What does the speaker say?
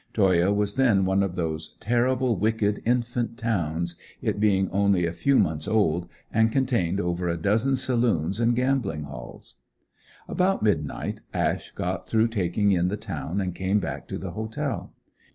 Toyah was then one of those terrible wicked infant towns, it being only a few months old and contained over a dozen saloons and gambling halls. About midnight Ash got through taking in the town and came back to the hotel.